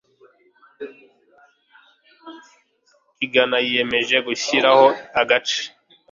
kigana biyemeje gushyiraho agace